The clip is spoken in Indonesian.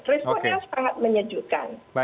responnya sangat menyejukkan